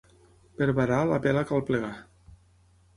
Per varar la vela cal plegar.